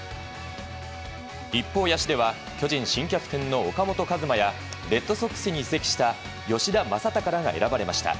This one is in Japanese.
一方、野手では巨人新キャプテンの岡本和真やレッドソックスに移籍した吉田正尚らが選ばれました。